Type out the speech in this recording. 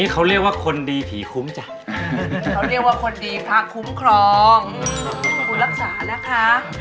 เขาเรียกว่าคนดีภาคคุ้มครองคุณรักษานะคะ